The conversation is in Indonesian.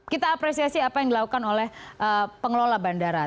kita apresiasi apa yang dilakukan oleh pengelola bandara